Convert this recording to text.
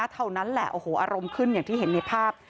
เท่านั้นแหละโอ้โหอารมณ์ขึ้นอย่างที่เห็นในภาพ